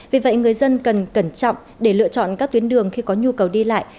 vì vậy người dân cần cẩn trọng để lựa chọn các tuyến đường khi có nhu cầu đi lại